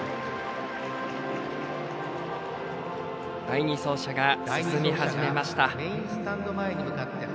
第２走者が進み始めました。